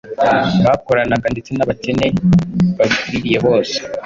bakoranaga ndetse n’abakene babikwiriye bose.